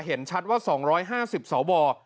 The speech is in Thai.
เห็นชัดว่า๒๕๐สาวบ่อ